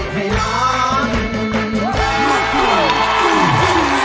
เกลครับ